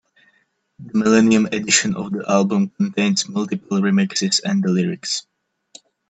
The millennium edition of the album contains multiple remixes and the lyrics.